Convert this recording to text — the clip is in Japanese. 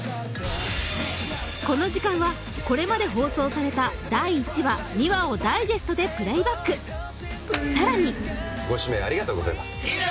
この時間はこれまで放送された第１話２話をダイジェストでプレイバックさらにご指名ありがとうございます